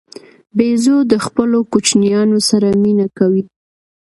بیزو د خپلو کوچنیانو سره مینه کوي.